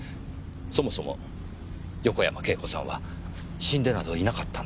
そもそも横山慶子さんは死んでなどいなかったんです。